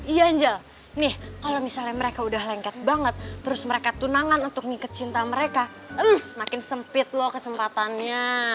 iya angel nih kalau misalnya mereka udah lengket banget terus mereka tunangan untuk mengikat cinta mereka makin sempit loh kesempatannya